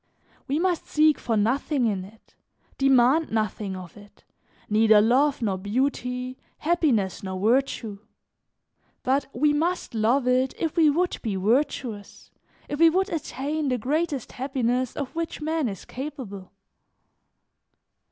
We must seek for nothing in it, demand nothing of it, neither love nor beauty, happiness nor virtue; but we must love it if we would be virtuous, if we would attain the greatest happiness of which man is capable.